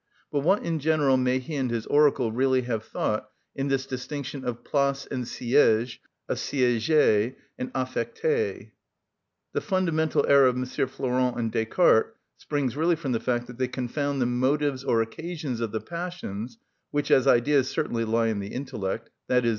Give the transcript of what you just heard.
But what in general may he and his oracle really have thought in this distinction of place and siège, of sièger and affecter? The fundamental error of M. Flourens and Descartes springs really from the fact that they confound the motives or occasions of the passions, which, as ideas, certainly lie in the intellect, _i.e.